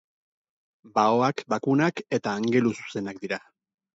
Baoak bakunak eta angeluzuzenak dira.